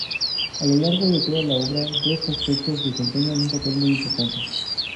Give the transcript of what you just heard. A lo largo de toda la obra, dos aspectos desempeñan un papel muy importante.